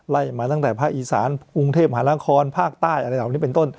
มาตั้งแต่ภาคอีสานกรุงเทพหานครภาคใต้อะไรเหล่านี้เป็นต้น